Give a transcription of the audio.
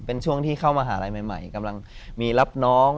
เป็นช่วงที่เข้ามหาลัยใหม่กำลังมีรับน้อง